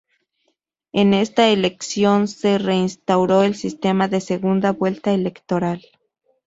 En esta elección se reinstauró el sistema de segunda vuelta electoral.